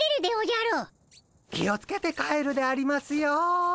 気を付けて帰るでありますよ。